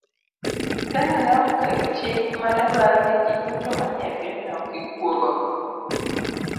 Kenya ne oketo chik mane dwaro ni ji duto manie pinyno kik wuog oko,